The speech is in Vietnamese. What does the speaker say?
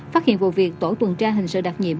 phát hiện vụ việc tổ tuần tra hình sự đặc nhiệm